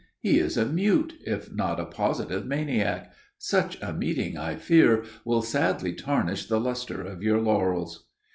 He is a mute, if not a positive maniac. Such a meeting, I fear, will sadly tarnish the luster of your laurels."